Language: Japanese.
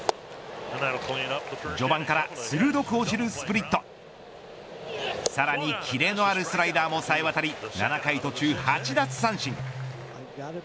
序盤から鋭く落ちるスプリット。さらに切れのあるスライダーもさえ渡り７回途中８奪三振。